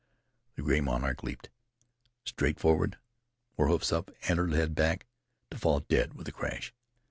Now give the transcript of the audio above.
The gray monarch leaped straight forward, forehoofs up, antlered head back, to fall dead with a crash.